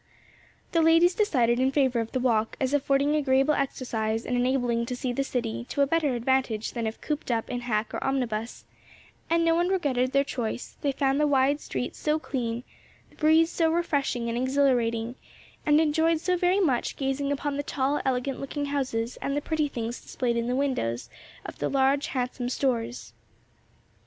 The ladies decided in favor of the walk as affording agreeable exercise and enabling them to see the city to better advantage than if cooped up in hack or omnibus, and no one regretted their choice: they found the wide streets so clean, the breeze so refreshing and exhilarating, and enjoyed so very much gazing upon the tall, elegant looking houses and the pretty things displayed in the windows of the large, handsome stores.